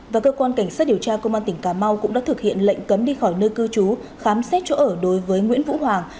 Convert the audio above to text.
và cơ quan cảnh sát điều tra công an tỉnh cà mau cũng đã thực hiện lệnh cấm đi khỏi nơi cư trú khám xét chỗ ở đối với nguyễn vũ hoàng